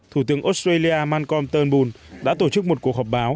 thủ tướng australia malcolm turnbull đã tổ chức một cuộc họp báo